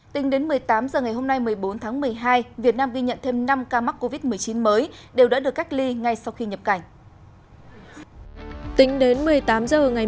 tính đến một mươi tám h ngày hôm nay một mươi bốn tháng một mươi hai việt nam ghi nhận thêm năm ca mắc covid một mươi chín mới đều đã được cách ly ngay sau khi nhập cảnh